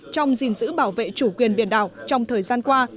trong gìn giữ bảo vệ chủ quyền biển đảo trong thời gian qua